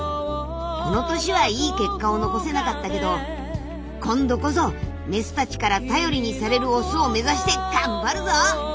この年はいい結果を残せなかったけど今度こそメスたちから頼りにされるオスを目指して頑張るぞ！